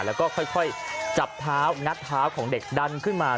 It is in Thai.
แล้วก็ค่อยจับเท้างัดเท้าของเด็กดันขึ้นมา